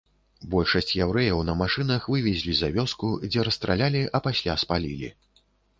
Большасць яўрэяў на машынах вывезлі за вёску, дзе расстралялі, а пасля спалілі.